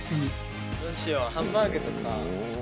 どうしようハンバーグとか。